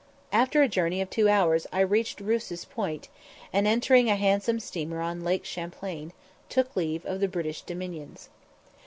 After a journey of two hours I reached Rouse's Point, and, entering a handsome steamer on Lake Champlain, took leave of the British dominions.